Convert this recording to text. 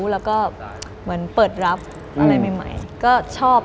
แล้วก็เปิดรับอะไรใหม่ก็ชอบ